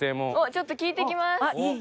ちょっと聞いてきます。